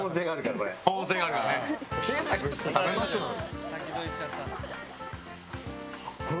小さくして食べましょうよ。